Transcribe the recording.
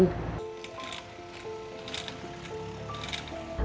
จริง